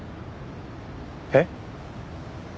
えっ？